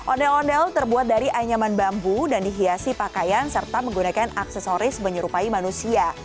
ondel ondel terbuat dari anyaman bambu dan dihiasi pakaian serta menggunakan aksesoris menyerupai manusia